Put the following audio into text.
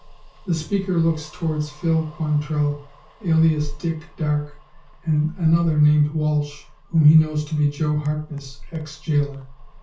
The speaker looks towards Phil Quantrell alias Dick Darke, and another, named Walsh, whom he knows to be Joe Harkness, ex jailer.